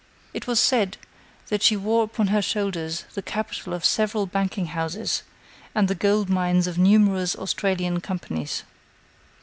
It was said that she wore upon her shoulders the capital of several banking houses and the gold mines of numerous Australian companies.